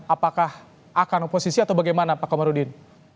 apakah akan oposisi atau bagaimana pak komarudin